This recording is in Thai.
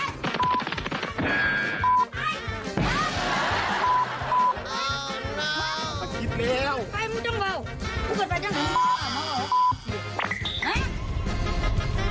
ใครมันต้องเว้าเพราะกันไปกันกัน